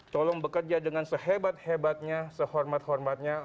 tolong bekerja dengan sehebat hebatnya sehormat hormatnya